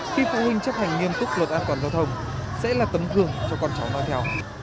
khi phụ huynh chấp hành nghiêm túc luật an toàn giao thông sẽ là tấm gương cho con cháu nói theo